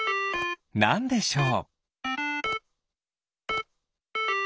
なんでしょう？